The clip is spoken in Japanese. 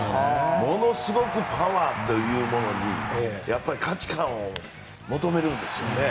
ものすごくパワーというものにやっぱり価値観を求めるんですよね。